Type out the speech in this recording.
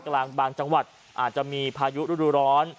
ภาคการิงส์บางจังหวัดอาจจะมีพายุรุ่นร้อน